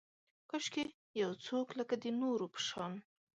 کاشکي یو څوک لکه، د نورو په شان